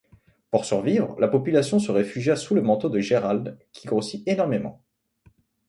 Pour survivre, la population se réfugia sous le manteau de Gérald qui grossit énormément.